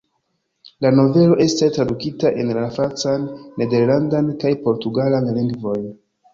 La novelo estas tradukita en la francan, nederlandan kaj portugalan lingvojn.